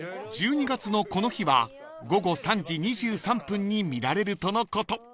［１２月のこの日は午後３時２３分に見られるとのこと］